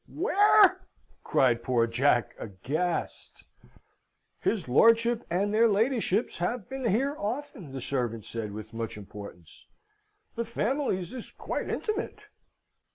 "Where?" cried poor Jack, aghast. "His lordship and their ladyships have been here often," the servant said, with much importance. "The families is quite intimate."